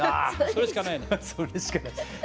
それしかないね。